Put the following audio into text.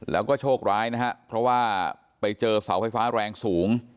แล้วก็โชคร้ายนะฮะเพราะว่าไปเจอเสาไฟฟ้าแรงสูง